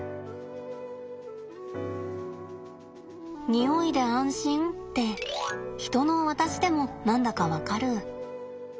匂いで安心ってヒトの私でも何だか分かる。